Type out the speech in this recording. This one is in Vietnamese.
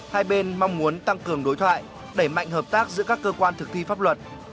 hai bên mong muốn tăng cường đối thoại đẩy mạnh hợp tác giữa các cơ quan thực thi pháp luật